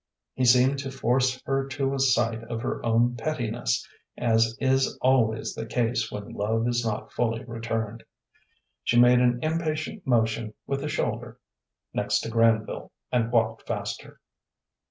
He seemed to force her to a sight of her own pettiness, as is always the case when love is not fully returned. She made an impatient motion with the shoulder next Granville, and walked faster.